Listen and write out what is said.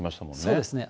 そうですね。